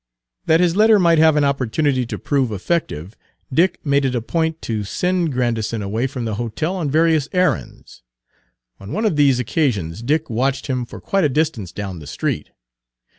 That his letter might have an opportunity to prove effective, Dick made it a point to send Grandison away from the hotel on various errands. On one of these occasions Dick watched him for quite a distance down the street.